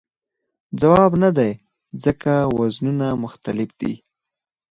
ځواب نه دی ځکه وزنونه مختلف دي.